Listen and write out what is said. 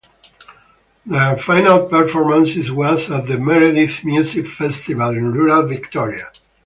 Their final performance was at the Meredith Music Festival in rural Victoria.